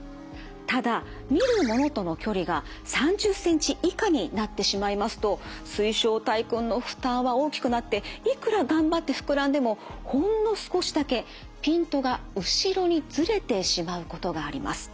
ただ見るものとの距離が３０センチ以下になってしまいますと水晶体くんの負担は大きくなっていくら頑張って膨らんでもほんの少しだけピントが後ろにずれてしまうことがあります。